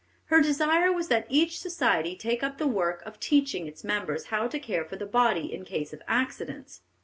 Her desire was that each society take up the work of teaching its members how to care for the body in case of accidents.